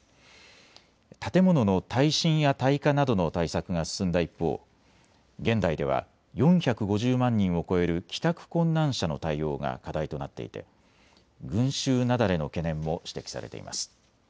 建物の耐震や耐火などの対策が進んだ一方、現代では４５０万人を超える帰宅困難者の対応が課題となっていて群集雪崩の懸念も指摘されています。